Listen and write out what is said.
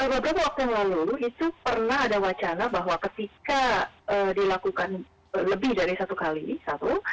beberapa waktu yang lalu itu pernah ada wacana bahwa ketika dilakukan lebih dari satu kali satu